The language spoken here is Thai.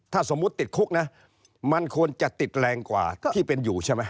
ถ้าสมมุติติดคุกนะมันควรจะติดแรงกว่าที่เป็นอยู่ใช่ไหม